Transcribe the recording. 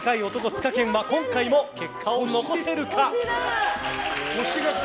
ツカケンは今回も結果を残せるか？